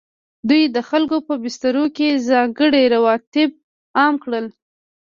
دوی د خلکو په بسترو کې ځانګړي روابط عام کړل.